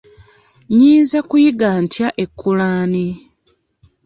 Nyinza kuyiga ntya ekulaanii?